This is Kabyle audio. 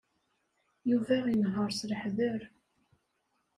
Yuba inehheṛ s leḥder.